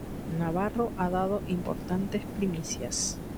Navarro ha dado importantes primicias.